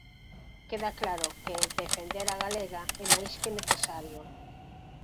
Queda claro que Defender a Galega é máis que necesario.